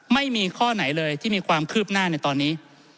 ไม่มีข้อไหนเลยที่มีความคืบหน้าในตอนนี้